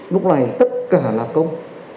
lúc này tất cả là công